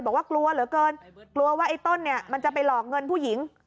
บอกว่ากลัวเหลือเกินกลัวว่าไอ้ต้นเนี่ยมันจะไปหลอกเงินผู้หญิง